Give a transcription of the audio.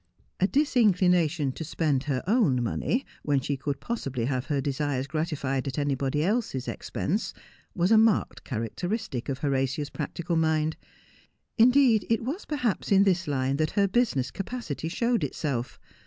A disinclination to spend her own money, when she could possibly have her desires gratified at anybody else's expense, was a marked characteristic of Horatia's practical mind. In deed, it was perhaps in this line that her business capacity showed itself.